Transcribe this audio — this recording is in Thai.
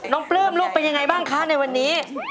ปลื้มลูกเป็นยังไงบ้างคะในวันนี้